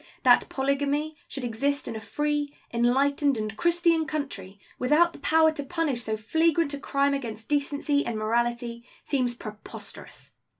That polygamy should exist in a free, enlightened, and Christian country, without the power to punish so flagrant a crime against decency and morality, seems preposterous.